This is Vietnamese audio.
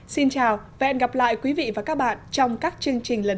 xin chào và hẹn gặp lại quý vị và các bạn trong các chương trình lần sau